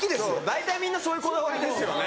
大体みんなそういうこだわりですよね。